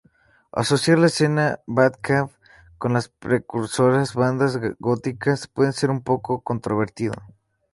Asociar la escena "batcave" con las precursoras bandas góticas puede ser un poco controvertido.